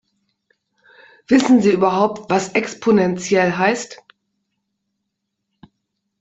Wissen Sie überhaupt, was exponentiell heißt?